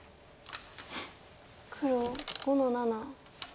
黒５の七。